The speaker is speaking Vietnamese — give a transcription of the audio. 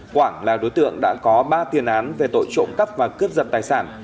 quảng là đối tượng đã có ba tiền án về tội trộm cắp và cướp giật tài sản